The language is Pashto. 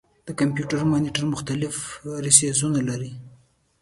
د کمپیوټر مانیټر مختلف ریزولوشنونه لري.